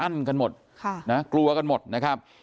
อัดอั้นกันหมดครับนะกลัวกันหมดนะครับ